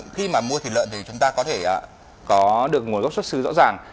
khi mà mua thịt lợn thì chúng ta có thể có được nguồn gốc xuất xứ rõ ràng